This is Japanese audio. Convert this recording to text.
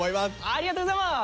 ありがとうございます。